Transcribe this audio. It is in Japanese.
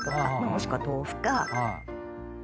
もしくは豆腐かですね。